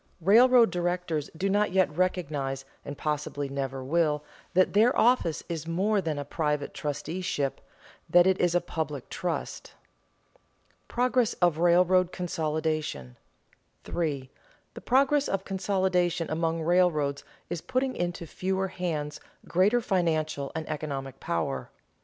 Railroad directors do not yet recognize, and possibly never will, that their office is more than a private trusteeship, that it is a public trust. [Sidenote: Progress of railroad consolidation] 3. _The progress of consolidation among railroads is putting into fewer hands greater financial and economic power.